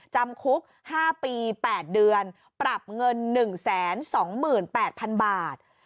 จำคุก๕ปี๘เดือนปรับเงิน๑๒๘๐๐๐บาท